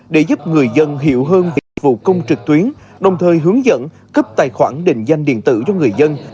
để giúp người dân hiểu hơn dịch vụ công trực tuyến đồng thời hướng dẫn cấp tài khoản định danh điện tử cho người dân